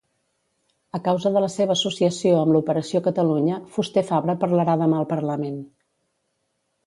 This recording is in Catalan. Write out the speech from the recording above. A causa de la seva associació amb l'Operació Catalunya, Fuster-Fabra parlarà demà al parlament.